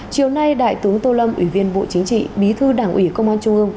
chiều nay đại tướng tô lâm ủy viên bộ chính trị bí thư đảng ủy công an trung ương